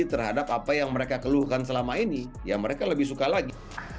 terhadap apa yang mereka keluhkan selama ini ya mereka lebih suka lagi